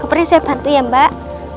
seperti saya bantu ya mbak